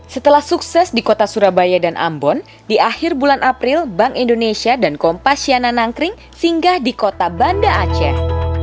setelah sukses di kota surabaya dan ambon di akhir bulan april bank indonesia dan kompas siana nangkring singgah di kota banda aceh